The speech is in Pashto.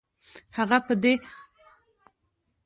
هغه به د سفر په وخت هم دا کار کاوه.